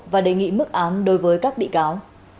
và đề nghị mức án đối với các bị cáo